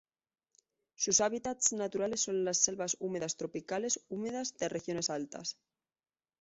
Sus hábitats naturales son las selvas húmedas tropicales húmedas de regiones altas.